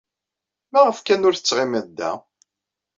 Maɣef kan ur tettɣimiḍ da?